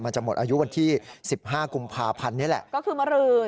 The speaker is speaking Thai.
จะหมดอายุวันที่สิบห้ากุมภาพันธ์นี้แหละก็คือเมื่อคืน